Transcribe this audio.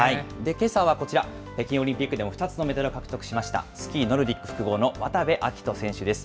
けさはこちら、北京オリンピックでも２つのメダルを獲得しました、スキーノルディック複合の渡部暁斗選手です。